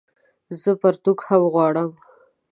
زه پرتوګ هم غواړم